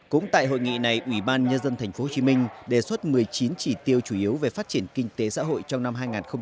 cũng tại hội nghị này ủy ban nhân dân tp hcm đề xuất một mươi chín chỉ tiêu chủ yếu về phát triển kinh tế xã hội trong năm hai nghìn hai mươi